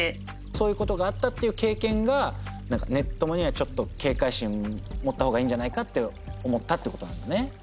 そういうことがあったっていう経験がネッ友にはちょっとけいかい心を持ったほうがいいんじゃないかって思ったってことなんだね。